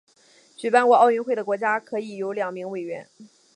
举办过奥运会的国家可以有两名委员。